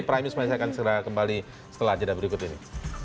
primis saya akan kembali setelah jadwal berikut ini